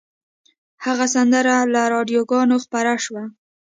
هغه سندره له راډیوګانو خپره شوه